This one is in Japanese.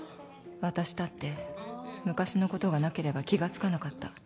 「わたしだって昔のことがなければ気がつかなかった」